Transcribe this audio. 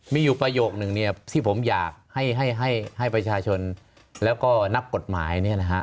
มีอยู่ประโยคหนึ่งที่ผมอยากให้ผชาชนแล้วก็นักกฎหมาย